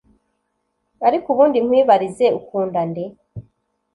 ariko ubundi nkwibarize ukunda nde